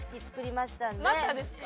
またですか？